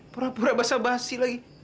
pura pura basa basi lagi